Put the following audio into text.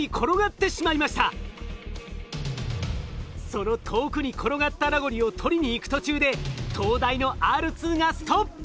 その遠くに転がったラゴリを取りに行く途中で東大のＲ２がストップ。